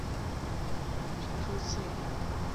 萤幕上白色游标闪烁刺眼